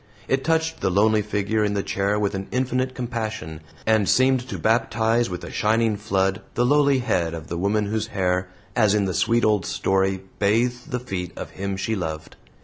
It touched the lonely figure in the chair with an infinite compassion, and seemed to baptize with a shining flood the lowly head of the woman whose hair, as in the sweet old story, bathed the feet of him she loved.